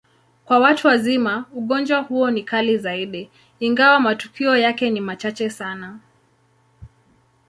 Kwa watu wazima, ugonjwa huo ni kali zaidi, ingawa matukio yake ni machache sana.